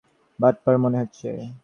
দেখুন, একে আমার বাটপার বাটপার মনে হচ্ছে।